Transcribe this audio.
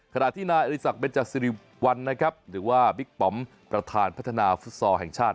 ขณะที่นายอริสักเบนจสิริวัลนะครับหรือว่าบิ๊กปอมประธานพัฒนาฟุตซอลแห่งชาติ